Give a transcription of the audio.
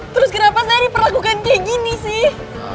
terus kenapa saya diperlakukan kayak gini sih